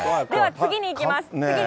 次にいきます。